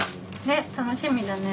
ね楽しみだね。